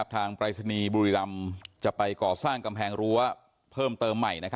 ปรายศนีย์บุรีรำจะไปก่อสร้างกำแพงรั้วเพิ่มเติมใหม่